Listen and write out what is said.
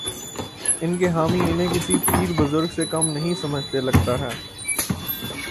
ان کے حامی انہیں کسی پیر بزرگ سے کم نہیں سمجھتے، لگتا ہے۔